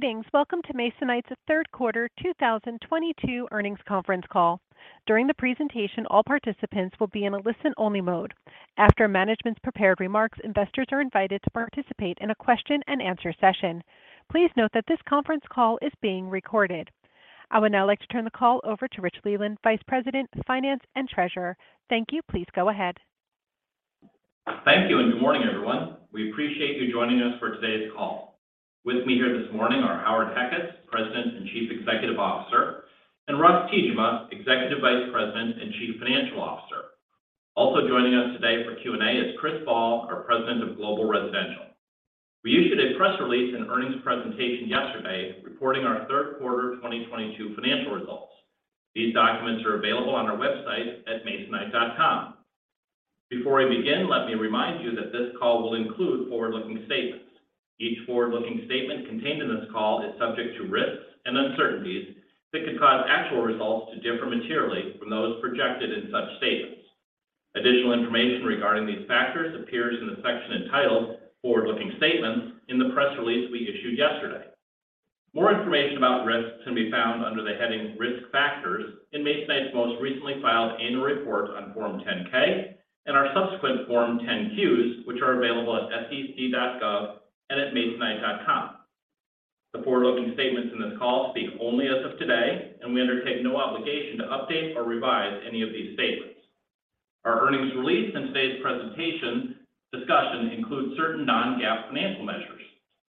Greetings. Welcome to Masonite's third quarter 2022 earnings conference call. During the presentation, all participants will be in a listen-only mode. After management's prepared remarks, investors are invited to participate in a question-and-answer session. Please note that this conference call is being recorded. I would now like to turn the call over to Richard Leland, Vice President of Finance and Treasurer. Thank you. Please go ahead. Thank you. Good morning, everyone. We appreciate you joining us for today's call. With me here this morning are Howard Heckes, President and Chief Executive Officer, and Russ Tiejema, Executive Vice President and Chief Financial Officer. Also joining us today for Q&A is Chris Ball, our President of Global Residential. We issued a press release and earnings presentation yesterday reporting our third quarter 2022 financial results. These documents are available on our website at masonite.com. Before I begin, let me remind you that this call will include forward-looking statements. Each forward-looking statement contained in this call is subject to risks and uncertainties that could cause actual results to differ materially from those projected in such statements. Additional information regarding these factors appears in the section entitled Forward-Looking Statements in the press release we issued yesterday. More information about risks can be found under the heading Risk Factors in Masonite's most recently filed annual report on Form 10-K and our subsequent Form 10-Qs, which are available at sec.gov and at masonite.com. The forward-looking statements in this call speak only as of today. We undertake no obligation to update or revise any of these statements. Our earnings release and today's presentation discussion include certain non-GAAP financial measures.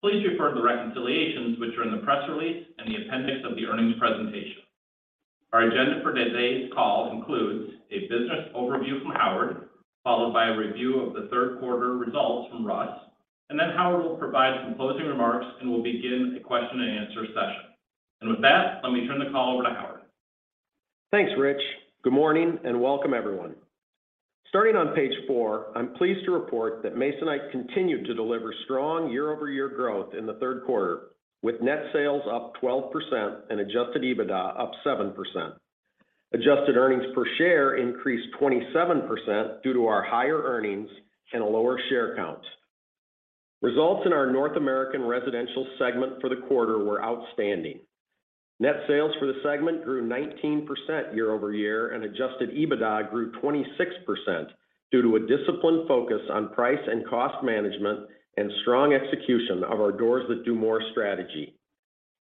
Please refer to the reconciliations which are in the press release and the appendix of the earnings presentation. Our agenda for today's call includes a business overview from Howard, followed by a review of the third quarter results from Russ. Then Howard will provide some closing remarks and will begin a question-and-answer session. With that, let me turn the call over to Howard. Thanks, Rich. Good morning. Welcome, everyone. Starting on page four, I'm pleased to report that Masonite continued to deliver strong year-over-year growth in the third quarter with net sales up 12% and adjusted EBITDA up 7%. Adjusted earnings per share increased 27% due to our higher earnings and a lower share count. Results in our North American Residential segment for the quarter were outstanding. Net sales for the segment grew 19% year-over-year, and adjusted EBITDA grew 26% due to a disciplined focus on price and cost management and strong execution of our Doors That Do More strategy.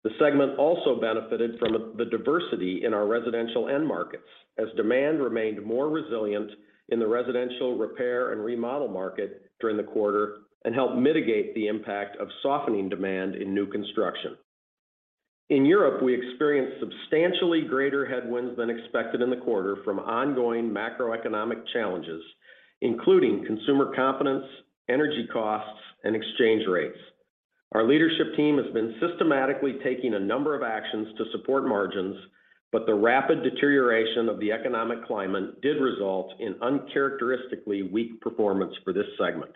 The segment also benefited from the diversity in our residential end markets as demand remained more resilient in the residential repair and remodel market during the quarter and helped mitigate the impact of softening demand in new construction. In Europe, we experienced substantially greater headwinds than expected in the quarter from ongoing macroeconomic challenges, including consumer confidence, energy costs, and exchange rates. The leadership team has been systematically taking a number of actions to support margins, but the rapid deterioration of the economic climate did result in uncharacteristically weak performance for this segment.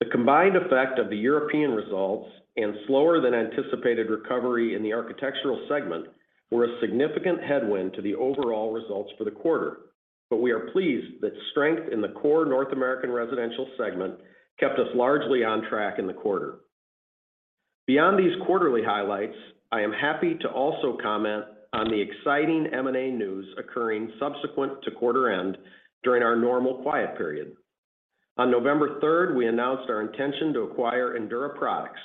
The combined effect of the European results and slower than anticipated recovery in the architectural segment were a significant headwind to the overall results for the quarter, but we are pleased that strength in the core North American Residential segment kept us largely on track in the quarter. Beyond these quarterly highlights, I am happy to also comment on the exciting M&A news occurring subsequent to quarter end during our normal quiet period. On November 3rd, we announced our intention to acquire Endura Products,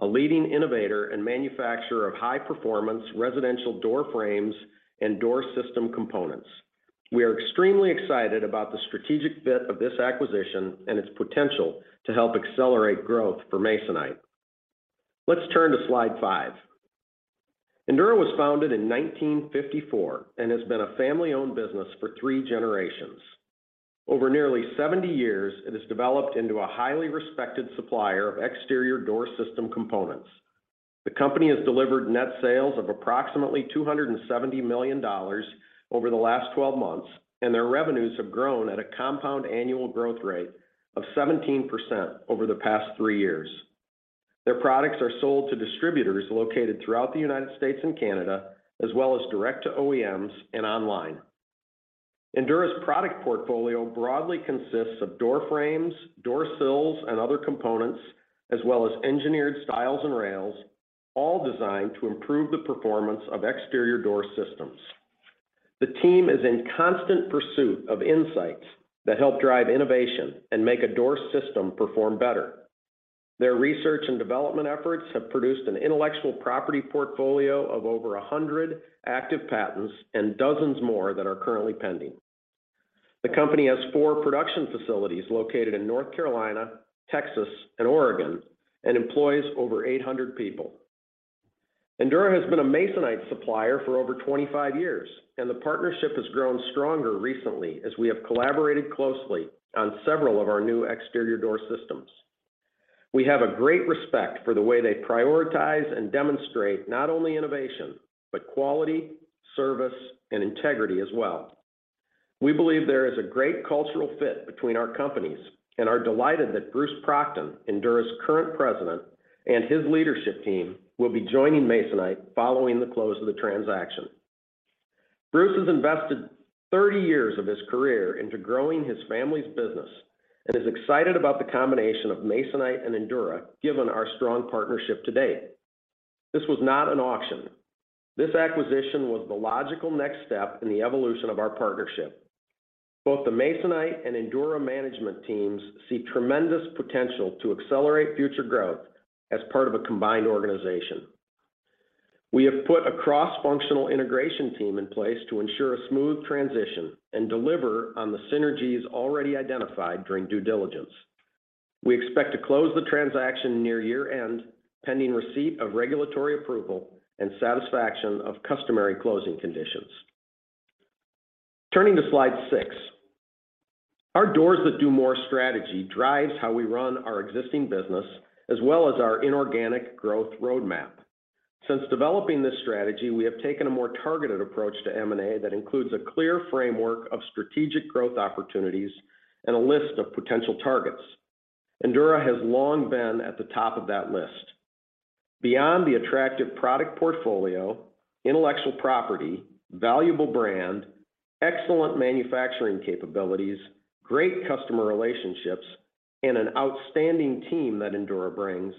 a leading innovator and manufacturer of high-performance residential door frames and door system components. We are extremely excited about the strategic fit of this acquisition and its potential to help accelerate growth for Masonite. Let's turn to slide five. Endura was founded in 1954 and has been a family-owned business for three generations. Over nearly 70 years, it has developed into a highly respected supplier of exterior door system components. The company has delivered net sales of approximately $270 million over the last 12 months, and their revenues have grown at a compound annual growth rate of 17% over the past three years. Their products are sold to distributors located throughout the U.S. and Canada, as well as direct to OEMs and online. Endura's product portfolio broadly consists of door frames, door sills, and other components, as well as engineered stiles and rails, all designed to improve the performance of exterior door systems. The team is in constant pursuit of insights that help drive innovation and make a door system perform better. Their research and development efforts have produced an intellectual property portfolio of over 100 active patents and dozens more that are currently pending. The company has four production facilities located in North Carolina, Texas, and Oregon, and employs over 800 people. Endura has been a Masonite supplier for over 25 years, and the partnership has grown stronger recently as we have collaborated closely on several of our new exterior door systems. We have a great respect for the way they prioritize and demonstrate not only innovation, but quality, service, and integrity as well. We believe there is a great cultural fit between our companies and are delighted that Bruce Proctor, Endura's current president, and his leadership team will be joining Masonite following the close of the transaction. Bruce has invested 30 years of his career into growing his family's business and is excited about the combination of Masonite and Endura, given our strong partnership to date. This was not an auction. This acquisition was the logical next step in the evolution of our partnership. Both the Masonite and Endura management teams see tremendous potential to accelerate future growth as part of a combined organization. We have put a cross-functional integration team in place to ensure a smooth transition and deliver on the synergies already identified during due diligence. We expect to close the transaction near year-end, pending receipt of regulatory approval and satisfaction of customary closing conditions. Turning to slide six. Our Doors That Do More strategy drives how we run our existing business, as well as our inorganic growth roadmap. Since developing this strategy, we have taken a more targeted approach to M&A that includes a clear framework of strategic growth opportunities and a list of potential targets. Endura has long been at the top of that list. Beyond the attractive product portfolio, intellectual property, valuable brand, excellent manufacturing capabilities, great customer relationships, and an outstanding team that Endura brings,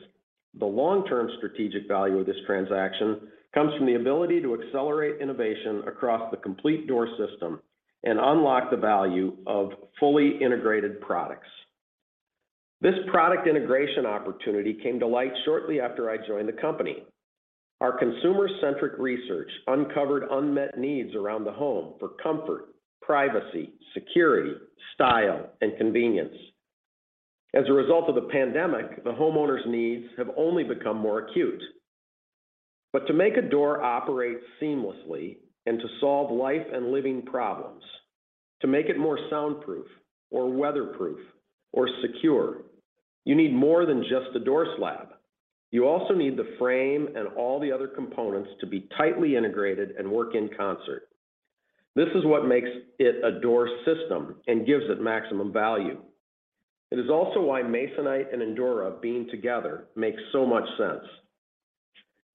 the long-term strategic value of this transaction comes from the ability to accelerate innovation across the complete door system and unlock the value of fully integrated products. This product integration opportunity came to light shortly after I joined the company. Our consumer-centric research uncovered unmet needs around the home for comfort, privacy, security, style, and convenience. As a result of the pandemic, the homeowner's needs have only become more acute. To make a door operate seamlessly and to solve life and living problems, to make it more soundproof or weatherproof or secure, you need more than just the door slab. You also need the frame and all the other components to be tightly integrated and work in concert. This is what makes it a door system and gives it maximum value. It is also why Masonite and Endura being together makes so much sense.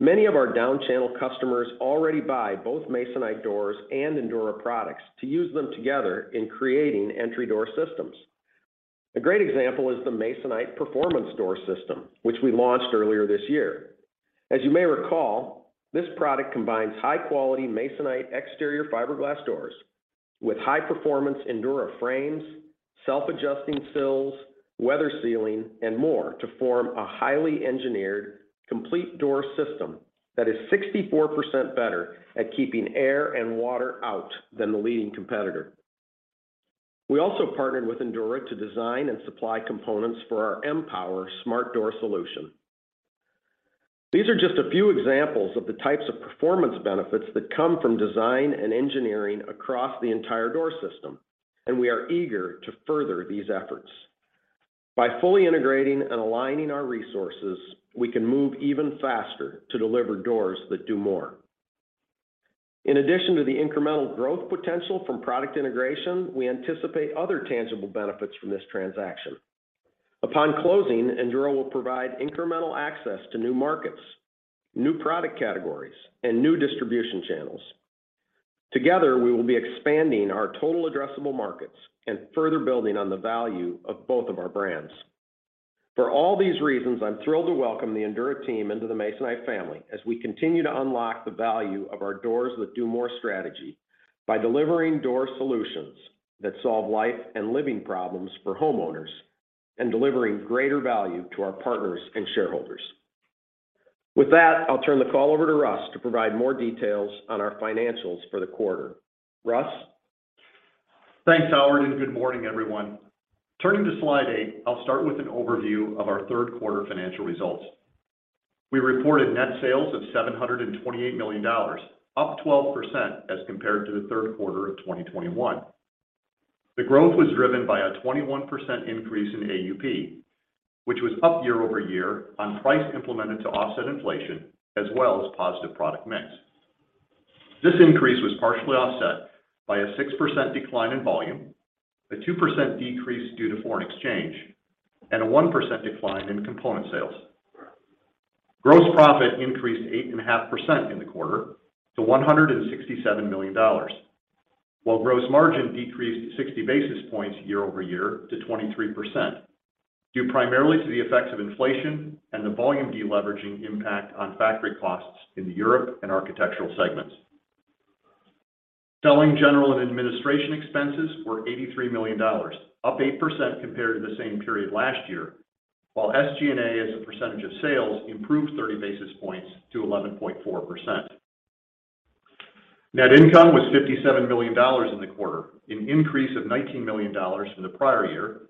Many of our down-channel customers already buy both Masonite doors and Endura products to use them together in creating entry door systems. A great example is the Masonite Performance Door System, which we launched earlier this year. As you may recall, this product combines high-quality Masonite exterior fiberglass doors with high-performance Endura frames, self-adjusting sills, weather sealing, and more to form a highly engineered complete door system that is 64% better at keeping air and water out than the leading competitor. We also partnered with Endura to design and supply components for our M-Pwr smart door solution. These are just a few examples of the types of performance benefits that come from design and engineering across the entire door system, and we are eager to further these efforts. By fully integrating and aligning our resources, we can move even faster to deliver Doors That Do More. In addition to the incremental growth potential from product integration, we anticipate other tangible benefits from this transaction. Upon closing, Endura will provide incremental access to new markets, new product categories, and new distribution channels. Together, we will be expanding our total addressable markets and further building on the value of both of our brands. For all these reasons, I'm thrilled to welcome the Endura team into the Masonite family as we continue to unlock the value of our Doors That Do More strategy by delivering door solutions that solve life and living problems for homeowners and delivering greater value to our partners and shareholders. With that, I'll turn the call over to Russ to provide more details on our financials for the quarter. Russ? Thanks, Howard. Good morning, everyone. Turning to slide eight, I will start with an overview of our third quarter financial results. We reported net sales of $728 million, up 12% as compared to the third quarter of 2021. The growth was driven by a 21% increase in AUP, which was up year-over-year on price implemented to offset inflation, as well as positive product mix. This increase was partially offset by a 6% decline in volume, a 2% decrease due to foreign exchange, and a 1% decline in component sales. Gross profit increased 8.5% in the quarter to $167 million, while gross margin decreased 60 basis points year-over-year to 23%, due primarily to the effects of inflation and the volume deleveraging impact on factory costs in the Europe and Architectural segments. Selling, General, and Administration Expenses were $83 million, up 8% compared to the same period last year, while SG&A as a percentage of sales improved 30 basis points to 11.4%. Net income was $57 million in the quarter, an increase of $19 million from the prior year,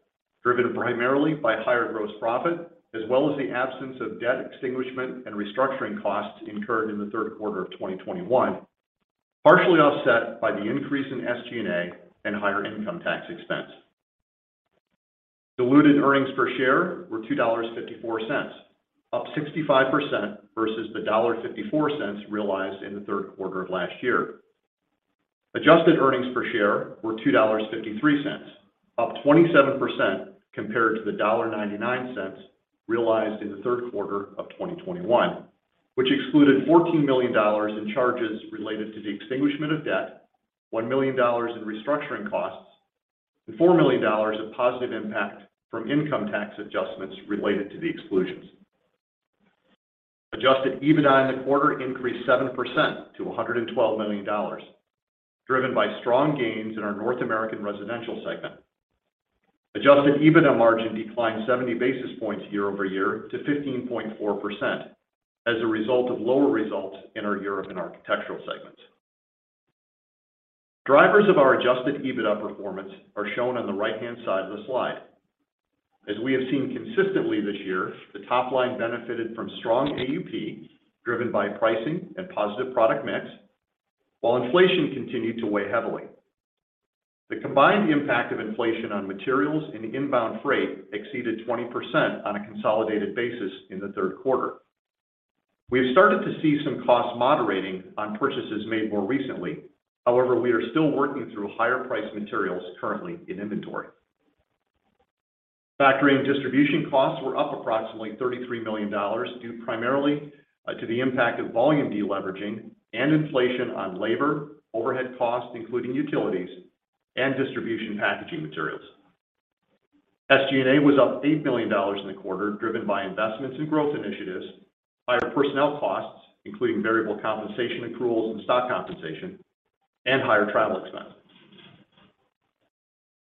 driven primarily by higher gross profit, as well as the absence of debt extinguishment and restructuring costs incurred in the third quarter of 2021, partially offset by the increase in SG&A and higher income tax expense. Diluted earnings per share were $2.54, up 65% versus the $1.54 realized in the third quarter of last year. Adjusted earnings per share were $2.53, up 27% compared to the $1.99 realized in the third quarter of 2021, which excluded $14 million in charges related to the extinguishment of debt, $1 million in restructuring costs, and $4 million of positive impact from income tax adjustments related to the exclusions. Adjusted EBITDA in the quarter increased 7% to $112 million, driven by strong gains in our North American Residential segment. Adjusted EBITDA margin declined 70 basis points year-over-year to 15.4% as a result of lower results in our Europe and Architectural segments. Drivers of our adjusted EBITDA performance are shown on the right-hand side of the slide. As we have seen consistently this year, the top line benefited from strong AUP, driven by pricing and positive product mix, while inflation continued to weigh heavily. The combined impact of inflation on materials and inbound freight exceeded 20% on a consolidated basis in the third quarter. We have started to see some cost moderating on purchases made more recently. However, we are still working through higher priced materials currently in inventory. Factory and distribution costs were up approximately $33 million, due primarily to the impact of volume deleveraging and inflation on labor, overhead costs, including utilities, and distribution packaging materials. SG&A was up $8 million in the quarter, driven by investments in growth initiatives, higher personnel costs, including variable compensation accruals and stock compensation, and higher travel expenses.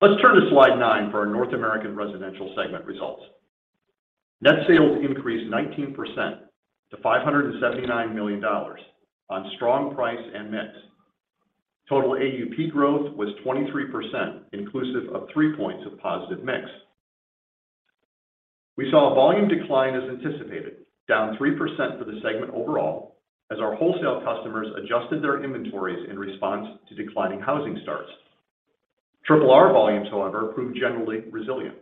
Let's turn to slide nine for our North American Residential segment results. Net sales increased 19% to $579 million on strong price and mix. Total AUP growth was 23%, inclusive of three points of positive mix. We saw a volume decline as anticipated, down 3% for the segment overall, as our wholesale customers adjusted their inventories in response to declining housing starts. Triple R volumes, however, proved generally resilient.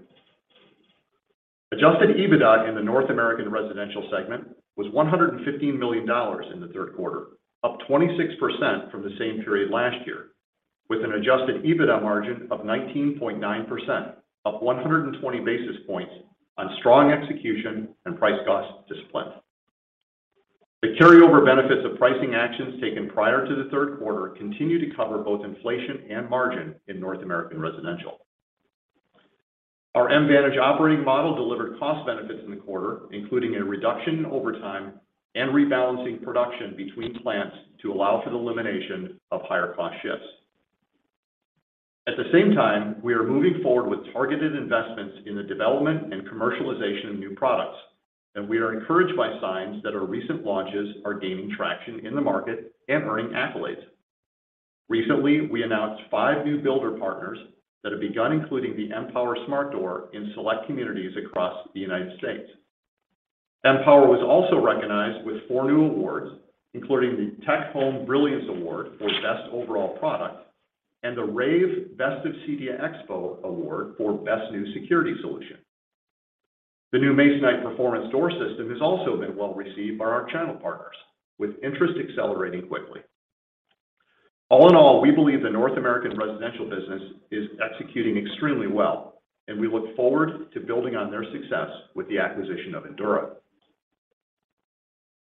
Adjusted EBITDA in the North American Residential segment was $115 million in the third quarter, up 26% from the same period last year, with an adjusted EBITDA margin of 19.9%, up 120 basis points on strong execution and price-cost discipline. The carryover benefits of pricing actions taken prior to the third quarter continue to cover both inflation and margin in North American Residential. Our M-Vantage operating model delivered cost benefits in the quarter, including a reduction in overtime and rebalancing production between plants to allow for the elimination of higher-cost shifts. At the same time, we are moving forward with targeted investments in the development and commercialization of new products. We are encouraged by signs that our recent launches are gaining traction in the market and earning accolades. Recently, we announced five new builder partners that have begun including the M-Pwr smart door in select communities across the United States. M-Pwr was also recognized with four new awards, including the TecHome Brilliance Awards for best overall product and the rAVe's Best of CEDIA Expo Awards for best new security solution. The new Masonite Performance Door System has also been well-received by our channel partners, with interest accelerating quickly. All in all, we believe the North American Residential business is executing extremely well. We look forward to building on their success with the acquisition of Endura.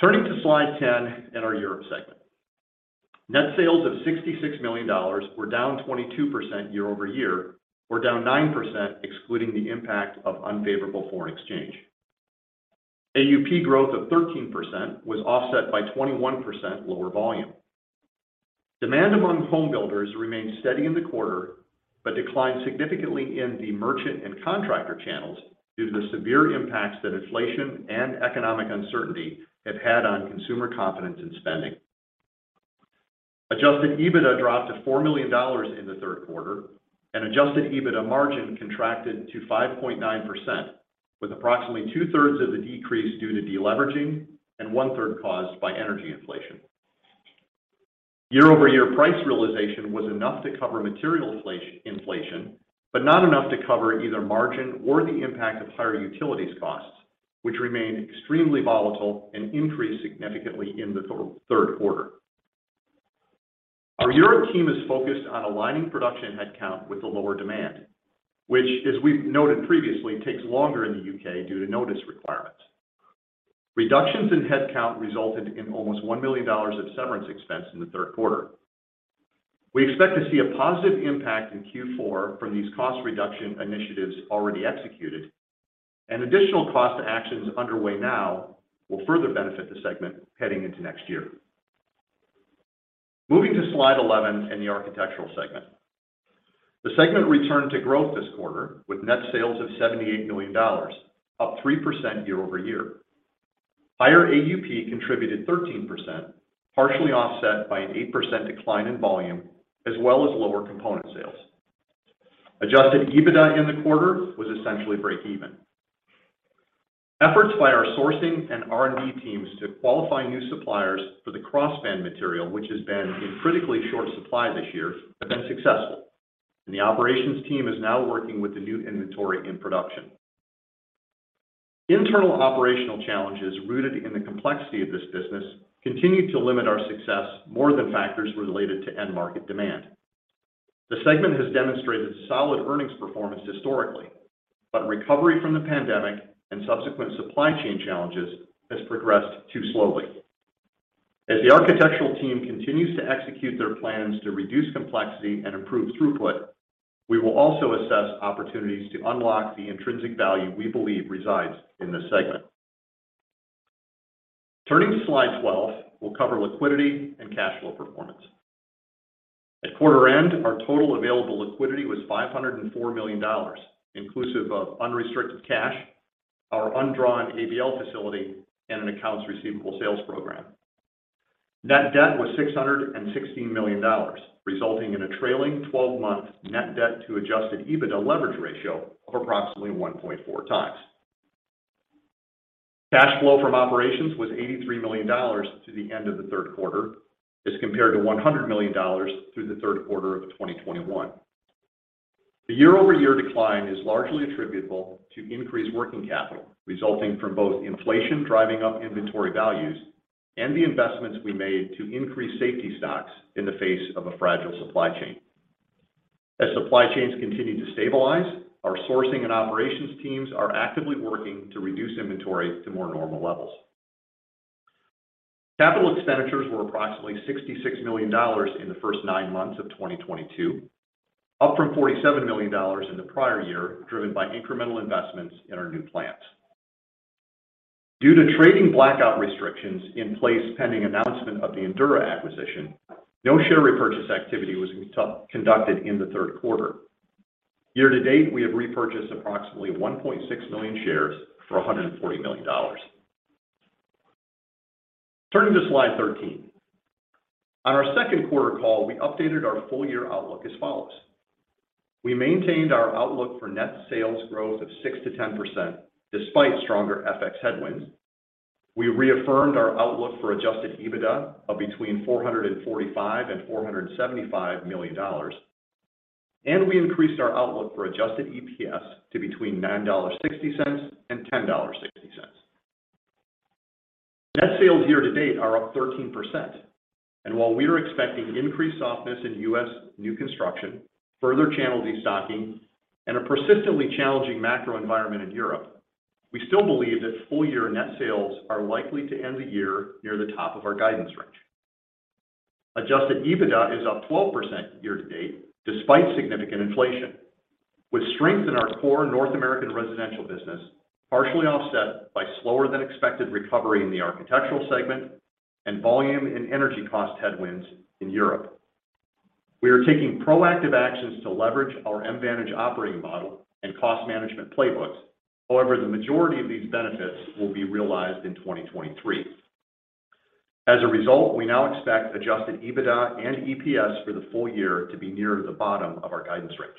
Turning to slide 10 and our Europe segment. Net sales of $66 million were down 22% year-over-year, or down 9% excluding the impact of unfavorable foreign exchange. AUP growth of 13% was offset by 21% lower volume. Demand among home builders remained steady in the quarter, but declined significantly in the merchant and contractor channels due to the severe impacts that inflation and economic uncertainty have had on consumer confidence and spending. Adjusted EBITDA dropped to $4 million in the third quarter, and adjusted EBITDA margin contracted to 5.9%, with approximately 2/3 of the decrease due to deleveraging and 1/3 caused by energy inflation. Year-over-year price realization was enough to cover material inflation but not enough to cover either margin or the impact of higher utilities costs, which remained extremely volatile and increased significantly in the third quarter. Our Europe team is focused on aligning production headcount with the lower demand, which, as we've noted previously, takes longer in the U.K. due to notice requirements. Reductions in headcount resulted in almost $1 million of severance expense in the third quarter. We expect to see a positive impact in Q4 from these cost reduction initiatives already executed. Additional cost actions underway now will further benefit the segment heading into next year. Moving to slide 11 in the Architectural segment. The segment returned to growth this quarter with net sales of $78 million, up 3% year-over-year. Higher AUP contributed 13%, partially offset by an 8% decline in volume as well as lower component sales. Adjusted EBITDA in the quarter was essentially breakeven. Efforts by our sourcing and R&D teams to qualify new suppliers for the crossband material, which has been in critically short supply this year, have been successful, and the operations team is now working with the new inventory in production. Internal operational challenges rooted in the complexity of this business continued to limit our success more than factors related to end market demand. The segment has demonstrated solid earnings performance historically, but recovery from the pandemic and subsequent supply chain challenges has progressed too slowly. As the architectural team continues to execute their plans to reduce complexity and improve throughput, we will also assess opportunities to unlock the intrinsic value we believe resides in this segment. Turning to slide 12, we will cover liquidity and cash flow performance. At quarter end, our total available liquidity was $504 million, inclusive of unrestricted cash, our undrawn ABL facility, and an accounts receivable sales program. Net debt was $616 million, resulting in a trailing 12-month net debt to adjusted EBITDA leverage ratio of approximately 1.4 times. Cash flow from operations was $83 million to the end of the third quarter as compared to $100 million through the third quarter of 2021. The year-over-year decline is largely attributable to increased working capital, resulting from both inflation driving up inventory values and the investments we made to increase safety stocks in the face of a fragile supply chain. As supply chains continue to stabilize, our sourcing and operations teams are actively working to reduce inventory to more normal levels. Capital expenditures were approximately $66 million in the first nine months of 2022, up from $47 million in the prior year, driven by incremental investments in our new plants. Due to trading blackout restrictions in place pending announcement of the Endura acquisition, no share repurchase activity was conducted in the third quarter. Year to date, we have repurchased approximately 1.6 million shares for $140 million. Turning to slide 13. On our second quarter call, we updated our full year outlook as follows. We maintained our outlook for net sales growth of 6%-10% despite stronger FX headwinds. We reaffirmed our outlook for adjusted EBITDA of between $445 million and $475 million, and we increased our outlook for adjusted EPS to between $9.60 and $10.60. Net sales year to date are up 13%, while we are expecting increased softness in U.S. new construction, further channel destocking, and a persistently challenging macro environment in Europe, we still believe that full year net sales are likely to end the year near the top of our guidance range. Adjusted EBITDA is up 12% year to date, despite significant inflation, with strength in our core North American Residential business partially offset by slower than expected recovery in the architectural segment and volume and energy cost headwinds in Europe. We are taking proactive actions to leverage our M-Vantage operating model and cost management playbooks. However, the majority of these benefits will be realized in 2023. As a result, we now expect adjusted EBITDA and EPS for the full year to be nearer the bottom of our guidance range.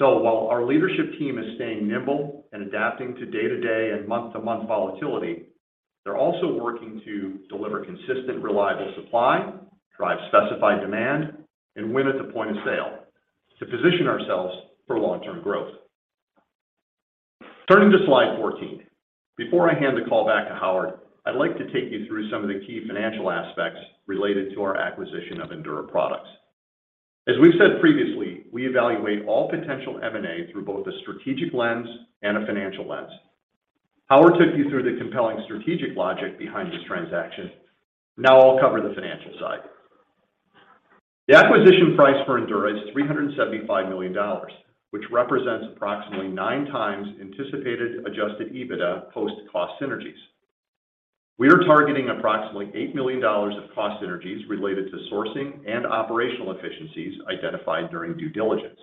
While our leadership team is staying nimble and adapting to day-to-day and month-to-month volatility, they're also working to deliver consistent, reliable supply, drive specified demand, and win at the point of sale to position ourselves for long-term growth. Turning to slide 14. Before I hand the call back to Howard Heckes, I'd like to take you through some of the key financial aspects related to our acquisition of Endura Products. As we've said previously, we evaluate all potential M&A through both a strategic lens and a financial lens. Howard Heckes took you through the compelling strategic logic behind this transaction. Now I'll cover the financial side. The acquisition price for Endura is $375 million, which represents approximately nine times anticipated adjusted EBITDA post-cost synergies. We are targeting approximately $8 million of cost synergies related to sourcing and operational efficiencies identified during due diligence.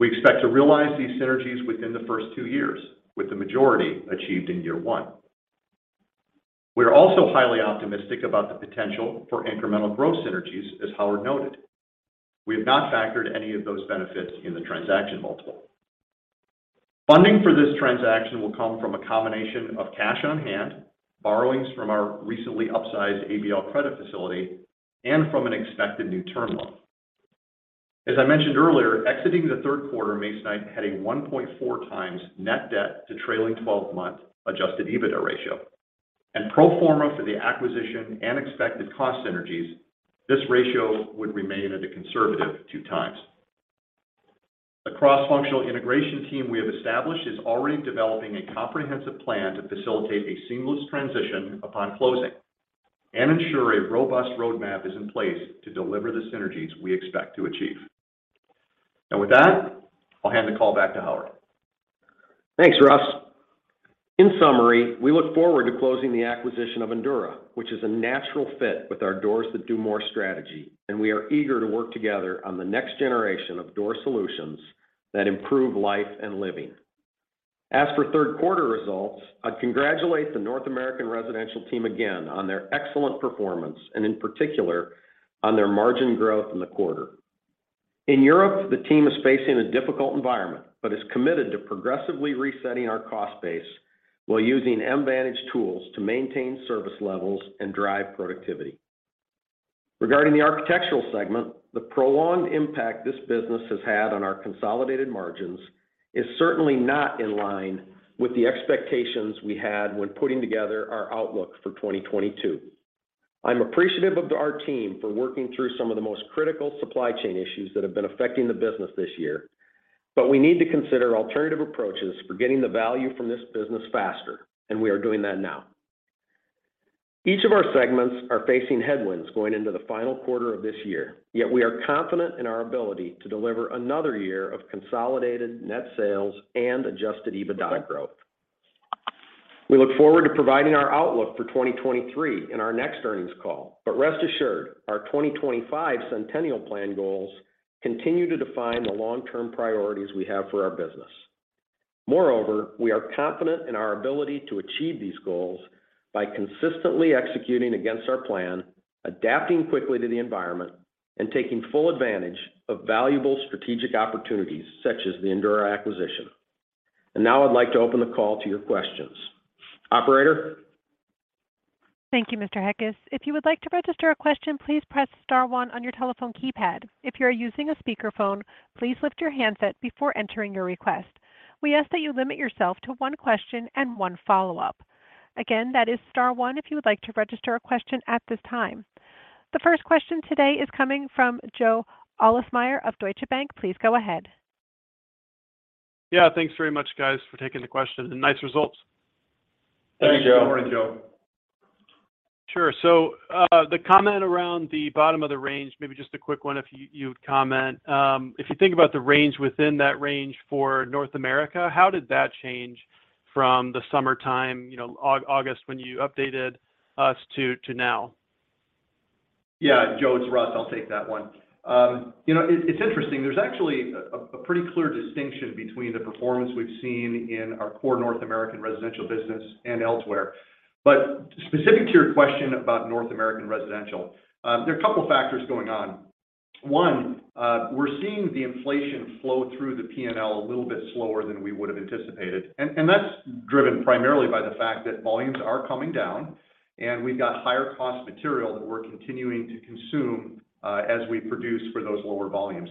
We expect to realize these synergies within the first two years, with the majority achieved in year one. We are also highly optimistic about the potential for incremental growth synergies, as Howard Heckes noted. We have not factored any of those benefits in the transaction multiple. Funding for this transaction will come from a combination of cash on hand, borrowings from our recently upsized ABL credit facility, and from an expected new term loan. As I mentioned earlier, exiting the third quarter, Masonite had a 1.4 times net debt to trailing 12-month adjusted EBITDA ratio. Pro forma for the acquisition and expected cost synergies, this ratio would remain at a conservative two times. The cross-functional integration team we have established is already developing a comprehensive plan to facilitate a seamless transition upon closing and ensure a robust roadmap is in place to deliver the synergies we expect to achieve. Now, with that, I'll hand the call back to Howard Heckes. Thanks, Russ Tiejema. In summary, we look forward to closing the acquisition of Endura, which is a natural fit with our Doors That Do More strategy, and we are eager to work together on the next generation of door solutions that improve life and living. As for third quarter results, I'd congratulate the North American Residential team again on their excellent performance, and in particular, on their margin growth in the quarter. In Europe, the team is facing a difficult environment, but is committed to progressively resetting our cost base while using M-Vantage tools to maintain service levels and drive productivity. Regarding the architectural segment, the prolonged impact this business has had on our consolidated margins is certainly not in line with the expectations we had when putting together our outlook for 2022. I'm appreciative of our team for working through some of the most critical supply chain issues that have been affecting the business this year, but we need to consider alternative approaches for getting the value from this business faster, and we are doing that now. Each of our segments are facing headwinds going into the final quarter of this year, yet we are confident in our ability to deliver another year of consolidated net sales and adjusted EBITDA growth. We look forward to providing our outlook for 2023 in our next earnings call. Rest assured, our 2025 centennial plan goals continue to define the long-term priorities we have for our business. Moreover, we are confident in our ability to achieve these goals by consistently executing against our plan, adapting quickly to the environment, and taking full advantage of valuable strategic opportunities, such as the Endura acquisition. Now I'd like to open the call to your questions. Operator? Thank you, Mr. Heckes. If you would like to register a question, please press star one on your telephone keypad. If you are using a speakerphone, please lift your handset before entering your request. We ask that you limit yourself to one question and one follow-up. Again, that is star one if you would like to register a question at this time. The first question today is coming from Joe Ahlersmeyer of Deutsche Bank. Please go ahead. Yeah. Thanks very much, guys, for taking the question, nice results. Thanks, Joe. Thanks, Joe. Sure. The comment around the bottom of the range, maybe just a quick one if you'd comment. If you think about the range within that range for North America, how did that change from the summertime, August when you updated us, to now? Yeah, Joe, it's Russ. I'll take that one. It's interesting. There's actually a pretty clear distinction between the performance we've seen in our core North American Residential business and elsewhere. Specific to your question about North American Residential, there are a couple of factors going on. One, we're seeing the inflation flow through the P&L a little bit slower than we would have anticipated. That's driven primarily by the fact that volumes are coming down, and we've got higher cost material that we're continuing to consume as we produce for those lower volumes.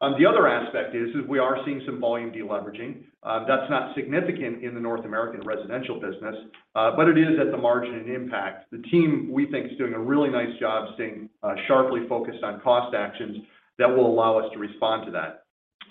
The other aspect is we are seeing some volume de-leveraging. That's not significant in the North American Residential business. It is at the margin and impact. The team, we think, is doing a really nice job staying sharply focused on cost actions that will allow us to respond to that.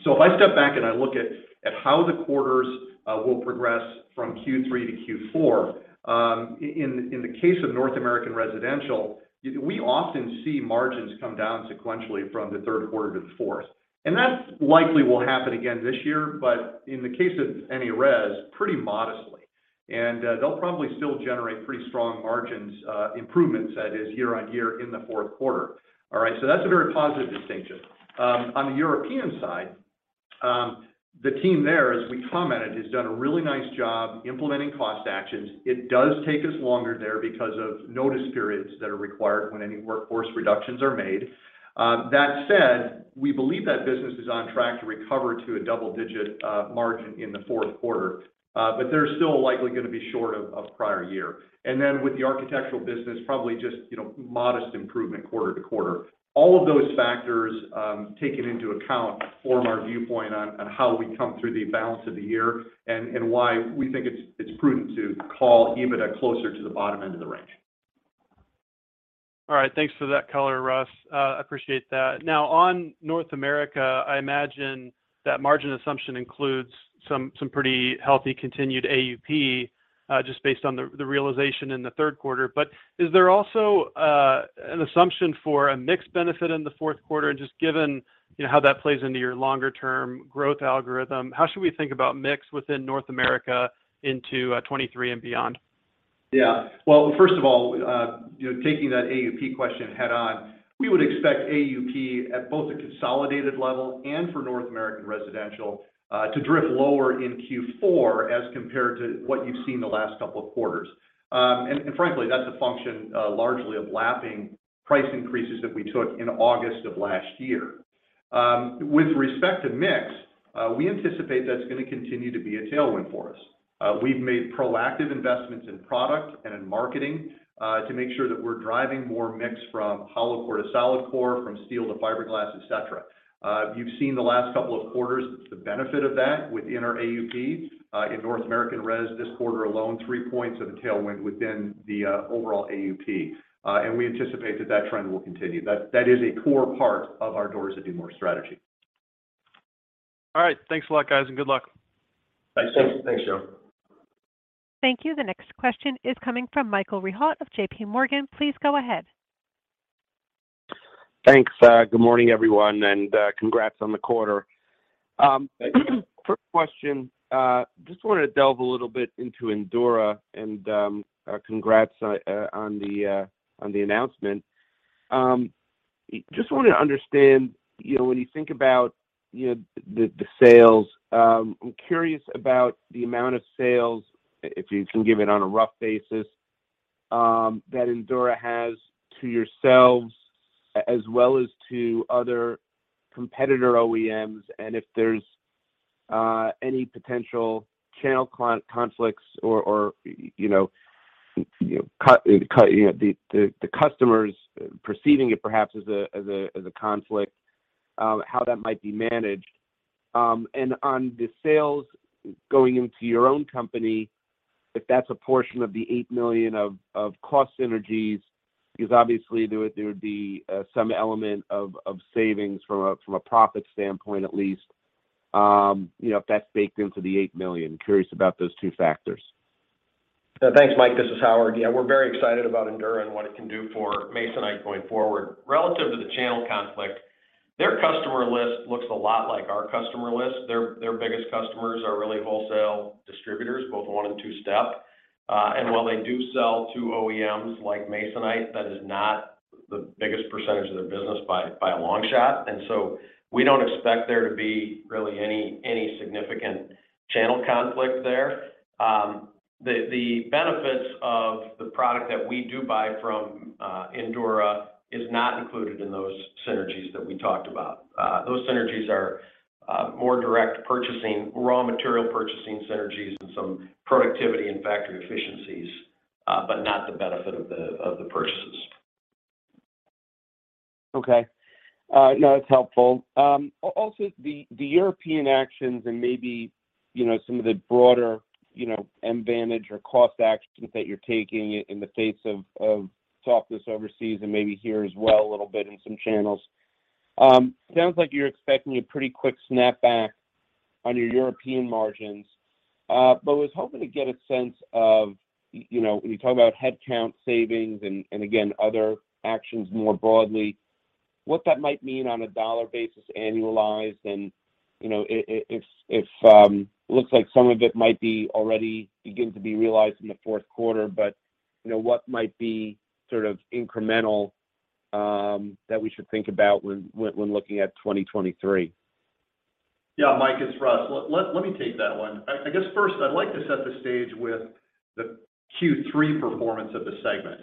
If I step back and I look at how the quarters will progress from Q3 to Q4, in the case of North American Residential, we often see margins come down sequentially from the third quarter to the fourth. That likely will happen again this year, but in the case of NA Res, pretty modestly. They'll probably still generate pretty strong margins improvements, that is, year-on-year in the fourth quarter. All right? That's a very positive distinction. On the European side, the team there, as we commented, has done a really nice job implementing cost actions. It does take us longer there because of notice periods that are required when any workforce reductions are made. That said, we believe that business is on track to recover to a double-digit margin in the fourth quarter. They're still likely going to be short of prior year. With the architectural business, probably just modest improvement quarter to quarter. All of those factors taken into account form our viewpoint on how we come through the balance of the year, and why we think it's prudent to call EBITDA closer to the bottom end of the range. All right. Thanks for that color, Russ. I appreciate that. On North America, I imagine that margin assumption includes some pretty healthy continued AUP just based on the realization in the third quarter. Is there also an assumption for a mixed benefit in the fourth quarter? Just given how that plays into your longer-term growth algorithm, how should we think about mix within North America into 2023 and beyond? Yeah. Well, first of all, taking that AUP question head on, we would expect AUP at both a consolidated level and for North American Residential to drift lower in Q4 as compared to what you've seen the last couple of quarters. Frankly, that's a function largely of lapping price increases that we took in August of last year. With respect to mix, we anticipate that's going to continue to be a tailwind for us. We've made proactive investments in product and in marketing to make sure that we're driving more mix from hollow core to solid core, from steel to fiberglass, et cetera. You've seen the last couple of quarters the benefit of that within our AUP. In North American Res this quarter alone, three points of a tailwind within the overall AUP. We anticipate that trend will continue. That is a core part of our Doors That Do More strategy. All right. Thanks a lot, guys, and good luck. Thanks. Thanks, Joe. Thank you. The next question is coming from Michael Rehaut of J.P. Morgan. Please go ahead. Thanks. Good morning, everyone, and congrats on the quarter. Thank you. First question. Just wanted to delve a little bit into Endura, and congrats on the announcement. Just wanted to understand when you think about the sales, I'm curious about the amount of sales, if you can give it on a rough basis that Endura has to yourselves, as well as to other competitor OEMs, if there's any potential channel conflicts or the customers perceiving it perhaps as a conflict, how that might be managed. On the sales going into your own company, if that's a portion of the $8 million of cost synergies, because obviously there would be some element of savings from a profit standpoint at least, if that's baked into the $8 million. Curious about those two factors. Thanks, Mike. This is Howard. We're very excited about Endura and what it can do for Masonite going forward. Relative to the channel conflict, their customer list looks a lot like our customer list. Their biggest customers are really wholesale distributors, both one and two-step. While they do sell to OEMs like Masonite, that is not the biggest percentage of their business by a long shot. We don't expect there to be really any significant channel conflict there. The benefits of the product that we do buy from Endura is not included in those synergies that we talked about. Those synergies are more direct purchasing, raw material purchasing synergies, and some productivity and factory efficiencies, but not the benefit of the purchases. Okay. No, that's helpful. Also, the European actions and maybe some of the broader advantage or cost actions that you're taking in the face of softness overseas and maybe here as well, a little bit in some channels. Sounds like you're expecting a pretty quick snap back on your European margins. Was hoping to get a sense of when you talk about headcount savings, and again, other actions more broadly, what that might mean on a dollar basis annualized and if it looks like some of it might be already beginning to be realized in the fourth quarter, what might be incremental that we should think about when looking at 2023? Yeah, Mike, it's Russ. Let me take that one. I guess first I'd like to set the stage with the Q3 performance of the segment.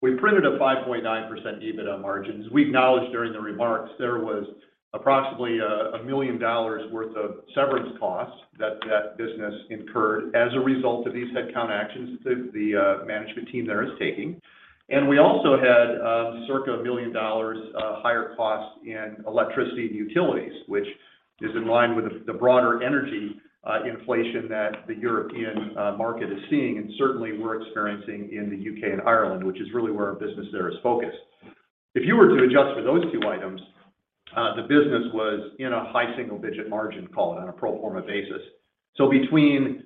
We printed a 5.9% EBITDA margin. As we acknowledged during the remarks, there was approximately $1 million worth of severance costs that that business incurred as a result of these headcount actions that the management team there is taking. We also had circa $1 million higher cost in electricity and utilities, which is in line with the broader energy inflation that the European market is seeing, and certainly we're experiencing in the U.K. and Ireland, which is really where our business there is focused. If you were to adjust for those two items, the business was in a high single-digit margin call on a pro forma basis. Between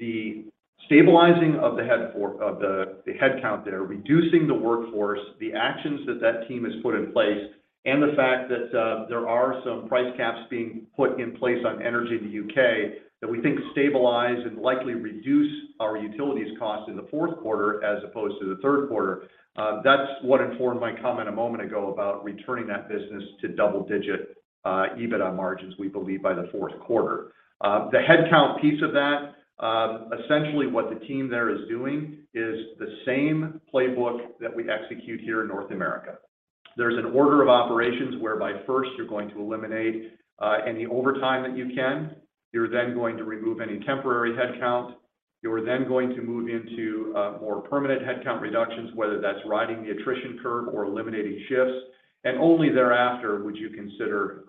the stabilizing of the headcount there, reducing the workforce, the actions that that team has put in place, and the fact that there are some price caps being put in place on energy in the U.K. that we think stabilize and likely reduce our utilities cost in the fourth quarter as opposed to the third quarter. That's what informed my comment a moment ago about returning that business to double-digit EBITDA margins, we believe by the fourth quarter. The headcount piece of that, essentially what the team there is doing is the same playbook that we execute here in North America. There's an order of operations whereby first you're going to eliminate any overtime that you can. You're then going to remove any temporary headcount. You are then going to move into more permanent headcount reductions, whether that's riding the attrition curve or eliminating shifts, and only thereafter would you consider